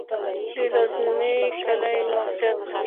د غزنی کلی موقعیت